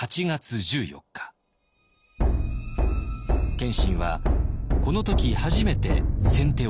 謙信はこの時初めて先手を取ります。